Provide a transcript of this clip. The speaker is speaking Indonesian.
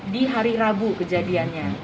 di hari rabu kejadiannya